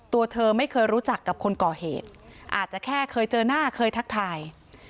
ตัวเธอไม่เคยรู้จักกับคนก่อเหตุอาจจะแค่เคยเจอหน้าเคยทักทาย